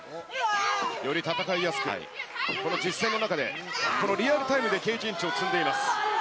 より戦いやすくなり、この実戦の中で、このリアルタイムで経験値を積んでいます。